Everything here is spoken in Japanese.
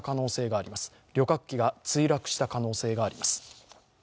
旅客機が墜落した可能性があります。